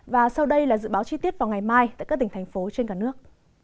và sau đây là dự báo chi tiết vào ngày mai tại các tỉnh thành phố trên cả nước